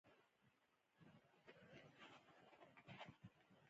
غول د وینې په ارزښت خبرې کوي.